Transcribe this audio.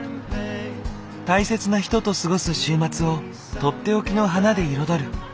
大切な人と過ごす週末を取って置きの花で彩る。